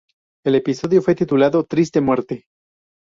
El episodio fue titulado "Triste Muerte".